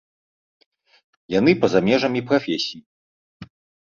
Яны па-за межамі прафесіі.